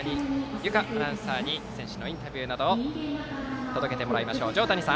有香アナウンサーに選手のインタビューなどを届けてもらいましょう。